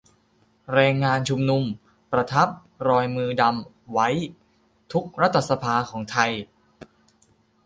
แรงงานชุมนุม ประทับรอยมือดำไว้ทุกข์รัฐสภาไทย